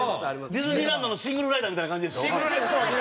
ディズニーランドのシングルライダーみたいな感じや。